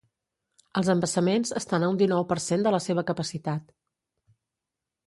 Els embassaments estan a un dinou per cent de la seva capacitat.